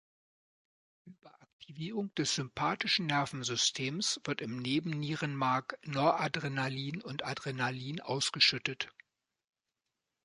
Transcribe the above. Über Aktivierung des sympathischen Nervensystems wird im Nebennierenmark Noradrenalin und Adrenalin ausgeschüttet.